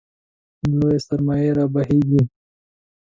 لویې سرمایې رابهېږي.